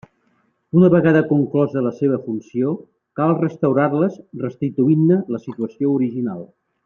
Una vegada conclosa la seva funció, cal restaurar-les restituint-ne la situació original.